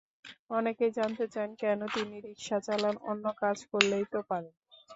অনেকেই জানতে চান, কেন তিনি রিকশা চালান, অন্য কাজ করলেই তো পারেন।